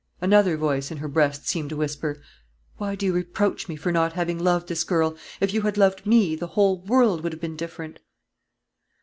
Another voice in her breast seemed to whisper, "Why do you reproach me for not having loved this girl? If you had loved me, the whole world would have been different."